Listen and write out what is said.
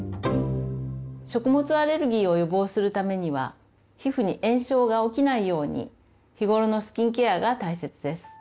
食物アレルギーを予防するためには皮膚に炎症が起きないように日頃のスキンケアが大切です。